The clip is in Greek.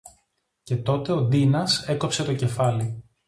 Και τότε ο Ντίνας έκοψε το κεφάλι